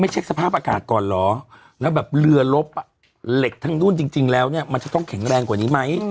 เหล็กทั้งนู่นจริงแล้วมันจะต้องแข็งแรงกว่านี้ไหม